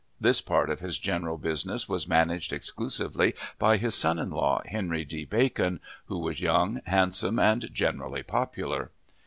This part of his general business was managed exclusively by his son in law, Henry D. Bacon, who was young, handsome, and generally popular.